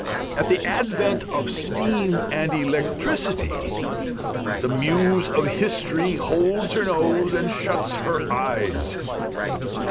At the advent of steam and electricity the muse of history holds her nose and shuts her eyes.